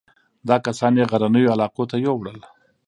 دا کسان یې غرنیو علاقو ته یووړل.